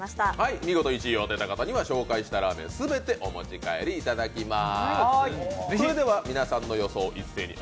見事１位を当てた方には紹介したラーメンをすべてお持ち帰りいただきます。